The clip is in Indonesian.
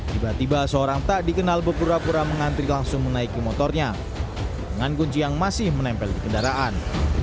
tiba tiba seorang tak dikenal berpura pura mengantri langsung menaiki motornya dengan kunci yang masih menempel di kendaraan